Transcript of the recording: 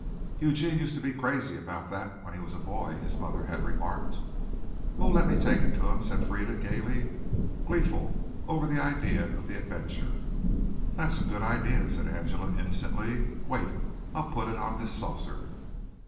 "Eugene used to be crazy about that when he was a boy," his mother had remarked. "Oh, let me take it to him," said Frieda gaily, gleeful over the idea of the adventure. "That's a good idea," said Angela innocently. "Wait, I'll put it on this saucer."